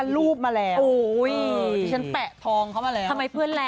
รับรองว่าต้องไฟลับ